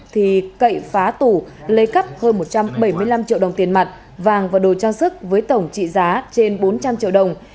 thì cậy phá tủ lấy cắp hơn một trăm bảy mươi năm triệu đồng tiền mặt vàng và đồ trang sức với tổng trị giá trên bốn trăm linh triệu đồng